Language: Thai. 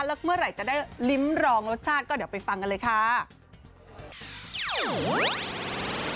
แล้วเมื่อไหร่จะได้ลิ้มรองรสชาติก็เดี๋ยวไปฟังกันเลยค่ะ